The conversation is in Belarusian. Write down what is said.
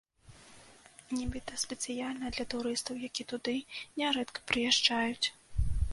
Нібыта, спецыяльна для турыстаў, які туды нярэдка прыязджаюць.